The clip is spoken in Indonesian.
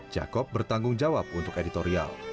jakob bertanggung jawab untuk editorial